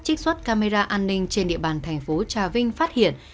trích xuất camera an ninh trên địa bàn thành phố trà vinh phát hiện